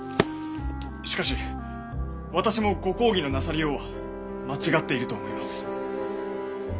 しかし私もご公儀のなさりようは間違っていると思います。